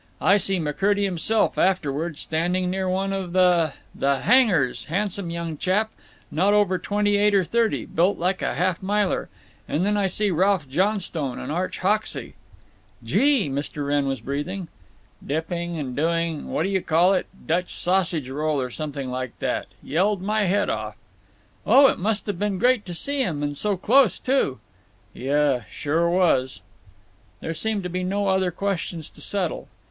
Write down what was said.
I see McCurdy himself, afterward, standing near one of the—the handgars—handsome young chap, not over twenty eight or thirty, built like a half miler. And then I see Ralph Johnstone and Arch Hoxey—" "Gee!" Mr. Wrenn was breathing. "—dipping and doing the—what do you call it?—Dutch sausage roll or something like that. Yelled my head off." "Oh, it must have been great to see 'em, and so close, too." "Yuh—it sure was." There seemed to be no other questions to settle. Mr.